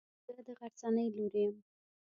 زه د غرڅنۍ لور يم.